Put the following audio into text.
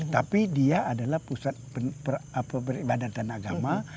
tapi dia adalah pusat peribadatan agama